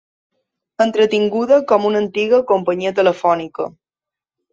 Entretinguda com una antiga companyia telefònica.